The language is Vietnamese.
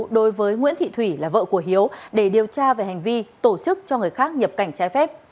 đối với nguyễn thị thủy là vợ của hiếu để điều tra về hành vi tổ chức cho người khác nhập cảnh trái phép